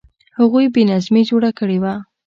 هغوی بې نظمي جوړه کړې وه.